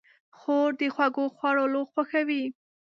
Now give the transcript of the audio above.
خور د خوږو خوړل خوښوي.